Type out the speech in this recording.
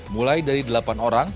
mulai dari delapan orang